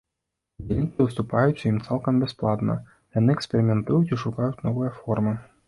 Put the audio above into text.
Удзельнікі выступаюць у ім цалкам бясплатна, яны эксперыментуюць і шукаюць новыя формы.